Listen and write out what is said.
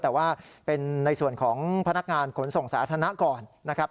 แต่ว่าเป็นในส่วนของพนักงานขนส่งสาธารณะก่อนนะครับ